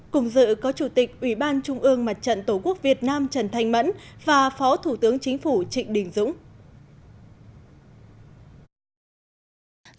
cùng dự có chủ tịch ủy ban trung ương mặt trận tổ quốc việt nam trần thanh mẫn và phó thủ tướng chính phủ trịnh đình dũng